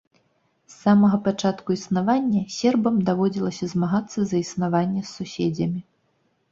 С самага пачатку існавання сербам даводзілася змагацца за існаванне з суседзямі.